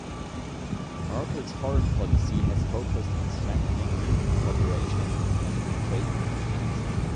Merkel's foreign policy has focused on strengthening European cooperation and international trade agreements.